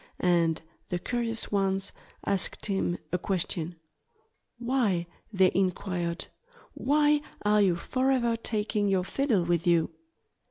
And the curious ones asked him a question. "Why" they inquired "why are you forever taking your fiddle with you?"